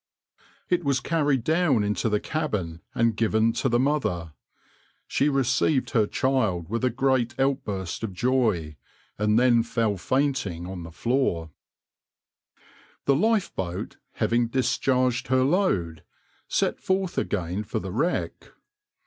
It was carried down into the cabin and given to the mother. She received her child with a great outburst of joy, and then fell fainting on the floor.\par The lifeboat, having discharged her load, set forth again for the wreck.